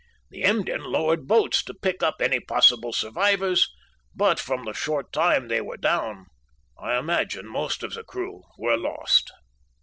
The Emden lowered boats to pick up any possible survivors, but, from the short time they were down, I imagine most of the crew were lost.